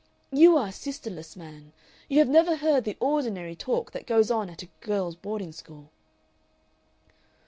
You are a sisterless man; you have never heard the ordinary talk that goes on at a girls' boarding school."